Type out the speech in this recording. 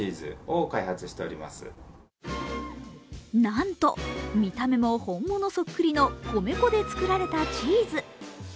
なんと、見た目も本物そっくりの米粉で作られたチーズ。